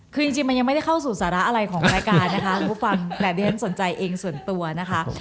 คือจริงมันยังไม่ได้เข้าสู่สาระอะไรของรายการแต่เขาสนใจเองส่วนตัว